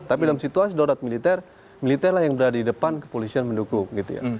tapi dalam situasi darurat militer militer lah yang berada di depan kepolisian mendukung gitu ya